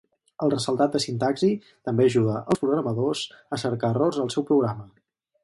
El ressaltat de sintaxi també ajuda els programadors a cercar errors al seu programa.